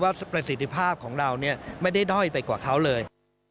ประสิทธิภาพของเราไม่ได้ด้อยไปกว่าเขาเลย